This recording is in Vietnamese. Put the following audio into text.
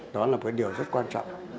đó là một cái điều rất quan trọng